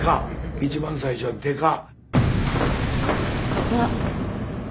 一番最初はでかっ。